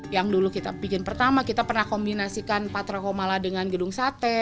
yang dulu kita bikin pertama kita pernah kombinasikan patra komala dengan gedung sate